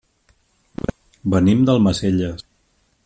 Venim d'Almacelles.